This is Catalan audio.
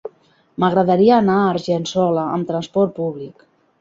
M'agradaria anar a Argençola amb trasport públic.